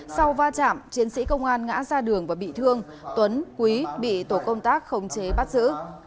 sau va chạm chiến sĩ công an ngã ra đường và bị thương tuấn quý bị tổ công tác khống chế bắt giữ